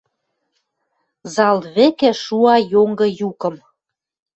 Зал вӹкӹ шуа йонгы юкым: